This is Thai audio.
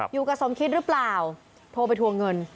อยู่กับสมคิดหรือเปล่าโทรไปทวงเงิน